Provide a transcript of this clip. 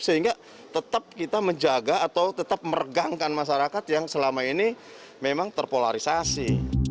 sehingga tetap kita menjaga atau tetap meregangkan masyarakat yang selama ini memang terpolarisasi